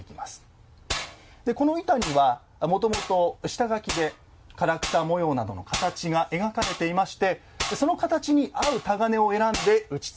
この板にはもともと下書きで唐草模様などの形が描かれていましてその形に合うタガネを選んで打ちつけていきます。